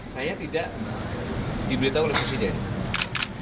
saya tidak diberitahu oleh presiden